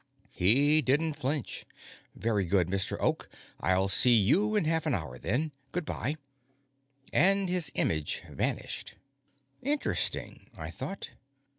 He didn't flinch. "Very good, Mr. Oak. I'll see you in half an hour, then. Good by." And his image vanished. Interesting, I thought.